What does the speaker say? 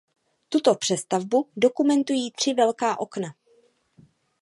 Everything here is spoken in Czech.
Tuto přestavbu dokumentují tři velká okna.